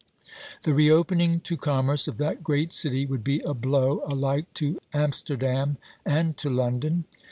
The reopening to commerce of that great city would be a blow alike to Amsterdam and to London.